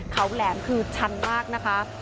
เขาแหลมคือชันมากนะคะ